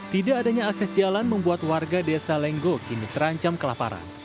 tidak adanya akses jalan membuat warga desa lenggo kini terancam kelaparan